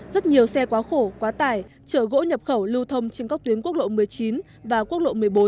rất nhiều xe quá khổ quá tải chở gỗ nhập khẩu lưu thông trên các tuyến quốc lộ một mươi chín và quốc lộ một mươi bốn